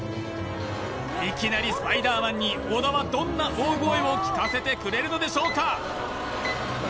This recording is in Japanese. いきなりスパイダーマンに小田はどんな大声を聞かせてくれるのでしょうか？